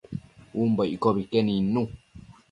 umbo iccobi que nidnu